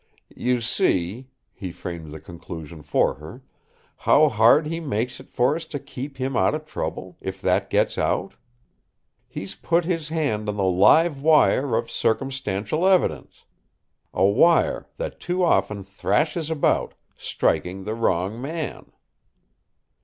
"You see," he framed the conclusion for her, "how hard he makes it for us to keep him out of trouble if that gets out. He's put his hand on the live wire of circumstantial evidence, a wire that too often thrashes about, striking the wrong man."